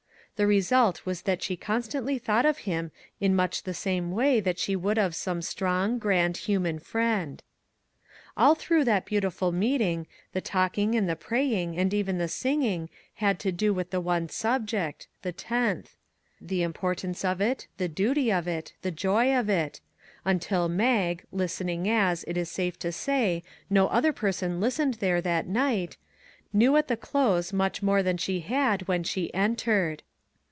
The result was that she constantly thought of him in much the J 73 MAG AND MARGARET same way that she would of some strong, grand human friend. All through that beautiful meeting the talk ing and the praying, and even the singing, had to do with the one subject, " The Tenth " the importance of it, the duty of it, the joy of it until Mag, listening as, it is safe to say, no other person listened there that night, knew at the close much more than she had when she entered.